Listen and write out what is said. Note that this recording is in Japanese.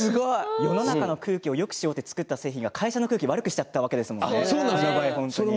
世の中の空気をよくしようと思ったものが会社の空気を悪くしたわけですよ。